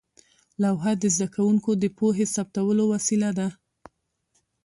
لوحه د زده کوونکو د پوهې ثبتولو وسیله وه.